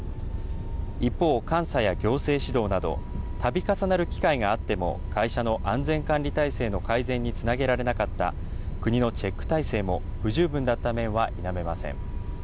一方、監査や行政指導などたび重なる機会があっても会社の安全管理体制の改善につなげられなかった国のチェック体制も不十分だった面は否めません。